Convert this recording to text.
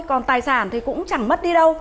còn tài sản thì cũng chẳng mất đi đâu